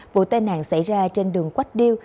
vụ tai nạn xảy ra trên đường quách điêu